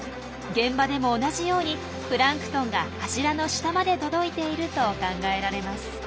現場でも同じようにプランクトンが柱の下まで届いていると考えられます。